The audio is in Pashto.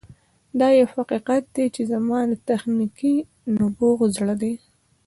دا یو حقیقت دی چې زما د تخنیکي نبوغ زړه دی